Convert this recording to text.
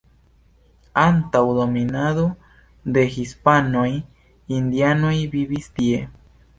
Antaŭ dominado de hispanoj indianoj vivis tie.